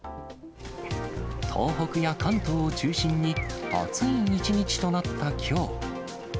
東北や関東を中心に、暑い一日となったきょう。